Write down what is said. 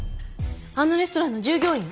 あのレストランの従業員？